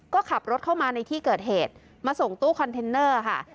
ก็ขับรถเข้ามาในที่เกิดเหตุมาส่งตู้คอนเทนเนอร์ค่ะ